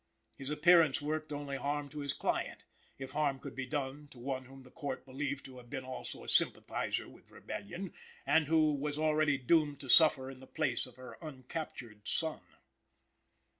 His appearance worked only harm to his client, if harm could be done to one whom the Court believed to have been also a sympathizer with rebellion, and who was already doomed to suffer in the place of her uncaptured son.